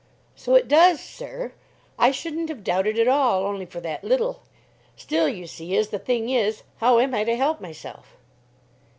"So it does, sir; I shouldn't have doubted at all only for that little. Still, you see, as the thing is, how am I to help myself?"